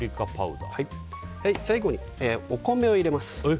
最後にお米を入れます。